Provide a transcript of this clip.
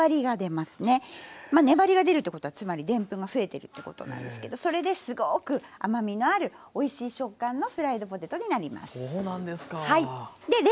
まあ粘りが出るってことはつまりでんぷんが増えてるってことなんですけどそれですごく甘みのあるおいしい食感のフライドポテトになります。